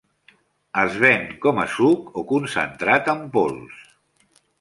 Es ven com a suc o concentrat en pols.